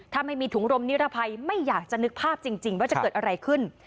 ถ้าไม่มีถุงรมนิรภัยไม่อยากจะนึกภาพจริงว่าจะเกิดอะไรขึ้น